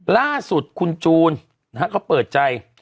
ล่าสุดคุณจูนนะครับก็เปิดใจ